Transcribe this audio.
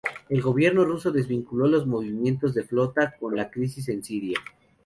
El gobierno ruso desvinculó los movimientos de flota con la crisis en Siria.